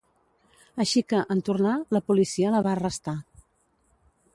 Així que, en tornar, la policia la va arrestar.